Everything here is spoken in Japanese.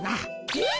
えっ？